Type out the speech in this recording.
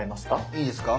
いいですか？